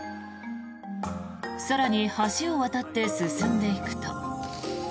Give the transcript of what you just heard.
更に、橋を渡って進んでいくと。